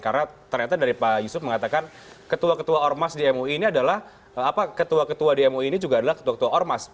karena ternyata dari pak yusuf mengatakan ketua ketua ormas di mui ini adalah ketua ketua ormas